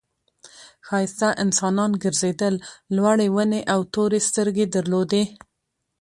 ښایسته انسانان گرځېدل لوړې ونې او تورې سترګې درلودې.